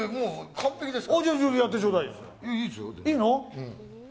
完璧ですよ。